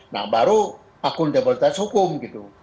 nah baru akuntabilitas hukum gitu